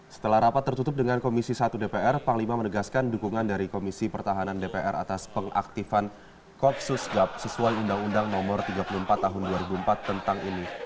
setelah rapat tertutup dengan komisi satu dpr panglima menegaskan dukungan dari komisi pertahanan dpr atas pengaktifan kopsus gap sesuai undang undang no tiga puluh empat tahun dua ribu empat tentang ini